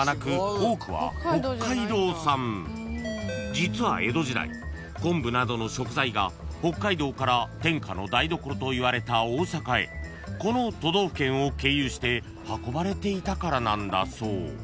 ［実は江戸時代昆布などの食材が北海道から天下の台所といわれた大阪へこの都道府県を経由して運ばれていたからなんだそう］